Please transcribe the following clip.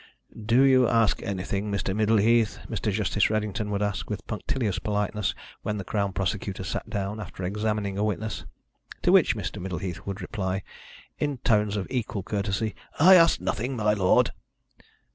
"Do you ask anything, Mr. Middleheath?" Mr. Justice Redington would ask, with punctilious politeness, when the Crown Prosecutor sat down after examining a witness. To which Mr. Middleheath would reply, in tones of equal courtesy: "I ask nothing, my lord."